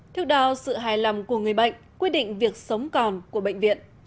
thước đao sự hài lòng của người bệnh quyết định việc sống còn của bệnh viện